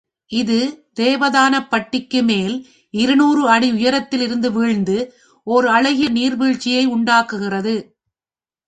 இது தேவதானப்பட்டிக்கு மேல் இருநூறு அடி உயரத்திலிருந்து வீழ்ந்து, ஓர் அழகிய நீர்வீழ்ச்சியை உண்டாக்குகிறது.